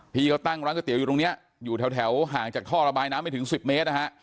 พี่เขาตั้งร้านก๋วเตี๋อยู่ตรงนี้อยู่แถวห่างจากท่อระบายน้ำไม่ถึง๑๐เมตรนะฮะ